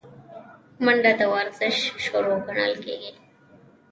منډه د ورزش شروع ګڼل کېږي